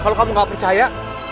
kalo kamu gak percaya